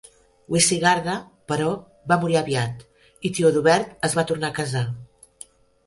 Wisigarda, però, va morir aviat, i Teodobert es va tornar a casar.